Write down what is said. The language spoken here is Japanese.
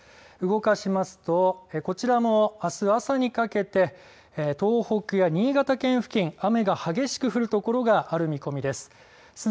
動かしますとこちらもあす朝にかけて東北や新潟県付近雨が激しく降る所がある見込みです。